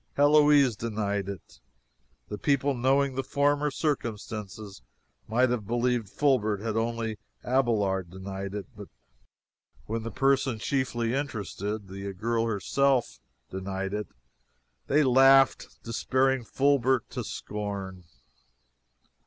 Heloise denied it! The people, knowing the former circumstances, might have believed Fulbert had only Abelard denied it, but when the person chiefly interested the girl herself denied it, they laughed, despairing Fulbert to scorn.